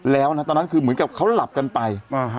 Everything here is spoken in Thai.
ตอนนั้นคือเหมือนกับเขาหลับกันไป